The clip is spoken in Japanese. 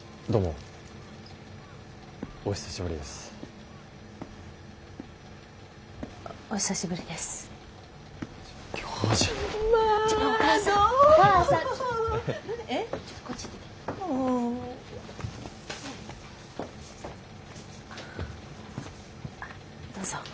あどうぞ。